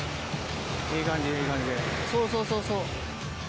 そうそうそうそう。